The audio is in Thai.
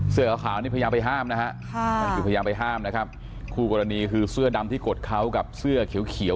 เสื้อขาวนี้พยายามไปห้ามนะครับคู่กรณีคือเสื้อดำที่กดเขากับเสื้อเขียว